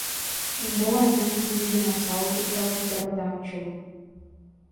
Um bom exemplo de dinossauro é o Pterodáctilo.